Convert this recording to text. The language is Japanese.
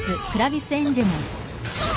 あっ！